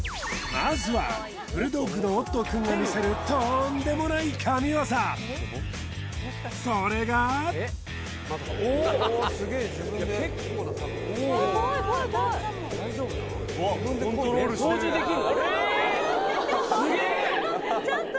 まずはブルドッグのオットーくんが見せるとんでもない神業それがを通り抜ける